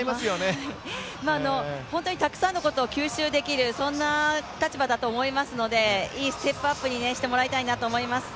本当にたくさんのことを吸収できるそんな立場だと思いますのでいいステップアップにしてもらいたいなと思います。